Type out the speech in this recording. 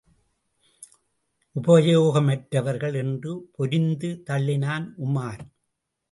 உபயோகமற்றவர்கள்! என்று பொரிந்து தள்ளினான் உமார்.